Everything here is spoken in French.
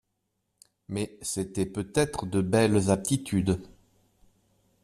Mais c'étaient peut-être de belles aptitudes.